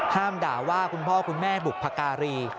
ด่าว่าคุณพ่อคุณแม่บุพการี